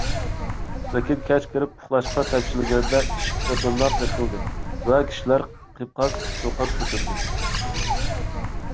لېكىن، كەچ كىرىپ ئۇخلاشقا تەمشەلگەندە، ئىشىك بىردىنلا قېقىلدى ۋە كىشىلەر قىيقاس - چۇقان كۆتۈردى.